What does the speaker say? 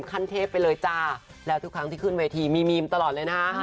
ขั้นเทพไปเลยจ้าแล้วทุกครั้งที่ขึ้นเวทีมีมีมตลอดเลยนะฮะ